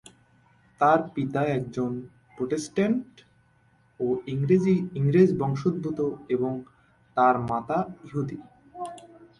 তার পিতা একজন প্রটেস্ট্যান্ট ও ইংরেজ বংশোদ্ভূত এবং তার মাতা ইহুদি।